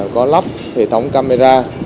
có lắp hệ thống camera